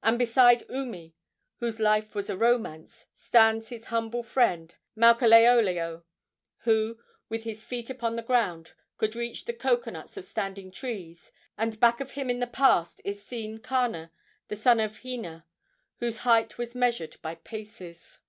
And beside Umi, whose life was a romance, stands his humble friend Maukaleoleo, who, with his feet upon the ground, could reach the cocoanuts of standing trees; and back of him in the past is seen Kana, the son of Hina, whose height was measured by paces.